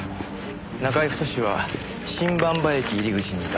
中居太は新馬場駅入り口にいた。